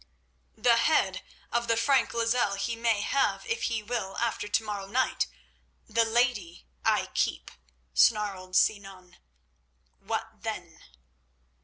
"The head of the Frank Lozelle he may have if he will after to morrow night. The lady I keep," snarled Sinan. "What then?"